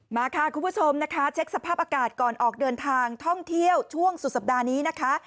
มาค่ะคุณผู้ชมนะคะเช็คสภาพอากาศก่อนออกเดินทางท่องเที่ยวช่วงสุดสัปดาห์นี้นะคะ